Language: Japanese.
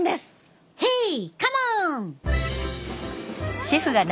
ヘイカモン！